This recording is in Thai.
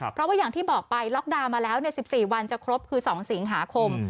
เพราะว่าอย่างที่บอกไปล็อกดาวน์มาแล้ว๑๔วันจะครบคือ๒สิงหาคม